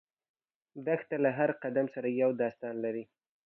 دښته له هر قدم سره یو داستان لري.